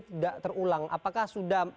tidak terulang apakah sudah